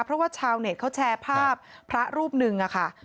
เพราะว่าชาวเน็ตเขาแชร์ภาพพระรูปหนึ่งค่ะ